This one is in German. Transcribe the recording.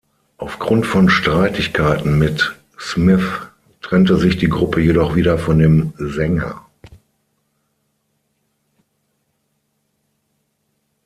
Aufgrund von Streitigkeiten mit Smith trennte sich die Gruppe jedoch wieder von dem Sänger.